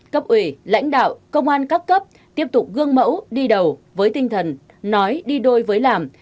cấp ủy lãnh đạo công an các cấp tiếp tục gương mẫu đi đầu với tinh thần nói đi đôi với làm